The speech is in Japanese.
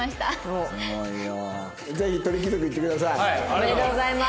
おめでとうございます。